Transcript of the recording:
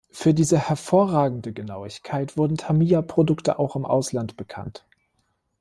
Für diese hervorragende Genauigkeit wurden Tamiya-Produkte auch im Ausland bekannt.